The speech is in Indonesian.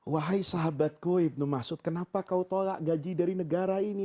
wahai sahabatku ibn zud kenapa kau tolak gaji dari negara ini